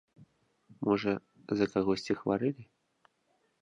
Можа, за кагосьці хварэлі?